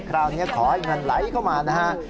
คราวนี้ขอให้เงินไหลเข้ามานะฮะ